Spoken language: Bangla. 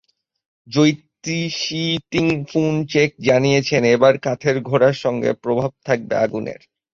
জ্যোতিষী টিং-ফুন চিক জানিয়েছেন, এবার কাঠের ঘোড়ার সঙ্গে প্রভাব থাকবে আগুনের।